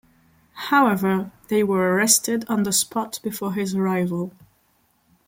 However, they were arrested on the spot before his arrival.